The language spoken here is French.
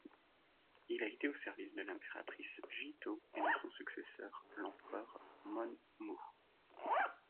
Il a été au service de l'impératrice Jitō et de son successeur, l'empereur Monmu.